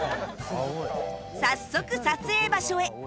早速撮影場所へ